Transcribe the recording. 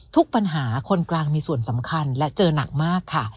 ทุกปัญหาคนกลางมีส่วนสำคัญและเจอหนักมากค่ะ